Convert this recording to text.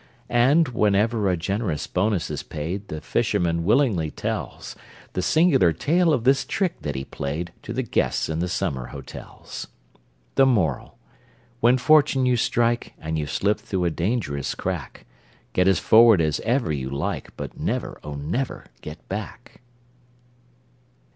And, whenever a generous bonus is paid, The fisherman willingly tells The singular tale of this trick that he played, To the guests in the summer hotels. The Moral: When fortune you strike, And you've slipped through a dangerous crack, Get as forward as ever you like, But never, oh, never get back!